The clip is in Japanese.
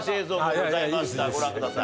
ご覧ください。